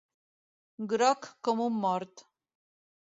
Groc com un mort.